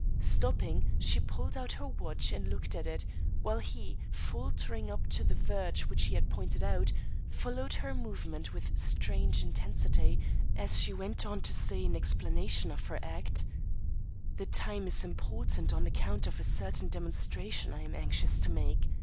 Stopping, she pulled out her watch and looked at it, while he, faltering up to the verge which she had pointed out, followed her movements with strange intensity as she went on to say in explanation of her act: "The time is important, on account of a certain demonstration I am anxious to make.